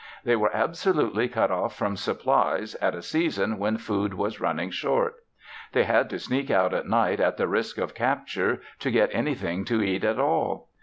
They were absolutely cut off from supplies at a season when food was running short. They had to sneak out at night at the risk of capture to get anything to eat at all.